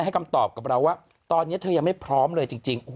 คำตอบกับเราว่าตอนนี้เธอยังไม่พร้อมเลยจริง